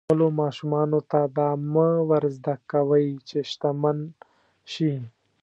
خپلو ماشومانو ته دا مه ور زده کوئ چې شتمن شي.